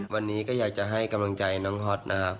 วันนี้ก็อยากจะให้กำลังใจน้องฮอตนะครับ